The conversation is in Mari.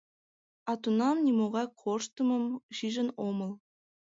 А тунам нимогай корштымым шижын омыл...